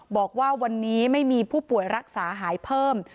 บอกว่าวันนี้ไม่มีผู้ป่วยรักษาหายเพิ่ม